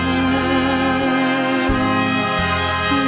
ให้ลง